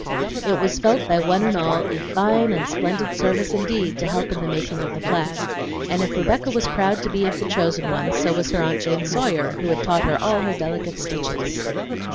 It was felt by one and all a fine and splendid service indeed to help in the making of the flag, and if Rebecca was proud to be of the chosen ones, so was her Aunt Jane Sawyer, who had taught her all her delicate stitches.